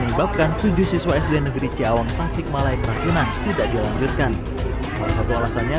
menyebabkan tujuh siswa sd negeri ciawang tasikmalaya keracunan tidak dilanjutkan salah satu alasannya